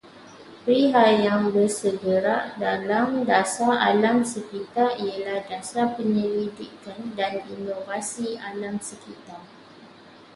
Perihal yang bersegerak dengan dasar alam sekitar ialah dasar penyelidikan dan inovasi alam sekitar